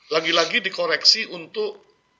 lagi lagi dikoreksi untuk